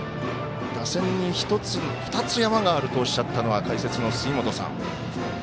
打線に１つ、２つ山があるとおっしゃったのは解説の杉本さん。